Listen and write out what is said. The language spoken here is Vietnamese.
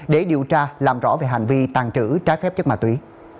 để điều tra làm rõ về hành vi tàn trữ trái phép chất ma túy